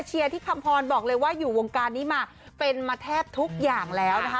ที่คำพรบอกเลยว่าอยู่วงการนี้มาเป็นมาแทบทุกอย่างแล้วนะคะ